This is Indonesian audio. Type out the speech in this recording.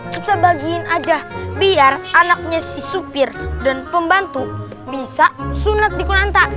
kita bagiin aja biar anaknya si supir dan pembantu bisa sunat di kuranta